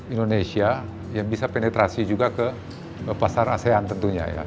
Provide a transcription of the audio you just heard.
indonesia yang bisa penetrasi juga ke pasar asean tentunya ya